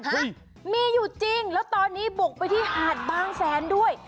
ฮะมีอยู่จริงแล้วตอนนี้บุกไปที่หาดบางแสนด้วย